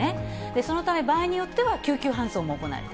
そのため、場合によっては救急搬送も行える。